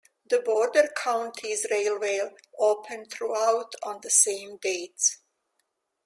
The Border Counties Railway opened throughout on the same dates.